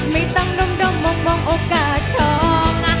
ไม่ต้องดมมองโอกาสชอง